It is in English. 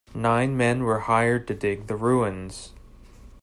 Nine men were hired to dig the ruins.